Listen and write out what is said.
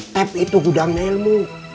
tep itu gudangnya ilmu